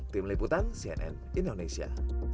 tim liputan cnn indonesia